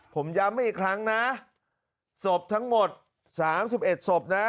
ผมย้ำให้อีกครั้งนะศพทั้งหมด๓๑ศพนะ